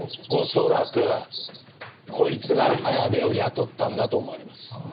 恐らくこいつが綾部を雇ったんだと思われます。